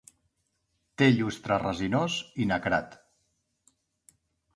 Té llustre resinós, i nacrat.